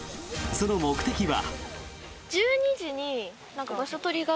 その目的は。